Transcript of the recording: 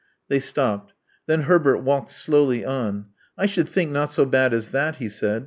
They stopped. Then Herbert walked slowly on. I should think not so bad as that," he said.